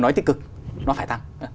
nói tích cực nó phải tăng